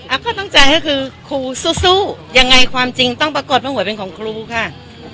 ก็ต้องใจก็คือครูสู้ยังไงความจริงต้องปรากฏว่าหวยเป็นของครูค่ะ